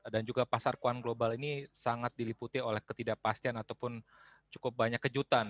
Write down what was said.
dan juga pasar kuan global ini sangat diliputi oleh ketidakpastian ataupun cukup banyak kejutan